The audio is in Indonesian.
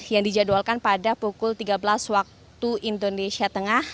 yang dijadwalkan pada pukul tiga belas waktu indonesia tengah